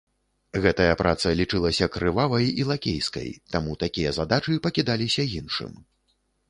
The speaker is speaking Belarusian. Гэтая праца лічылася крывавай і лакейскай, таму такія задачы пакідаліся іншым.